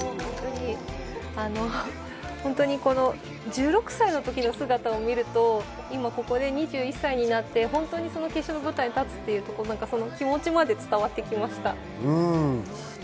本当に１６歳の時の姿を見ると、今ここで２１歳になって、決勝の舞台に立つというのが気持ちまで伝わってきました。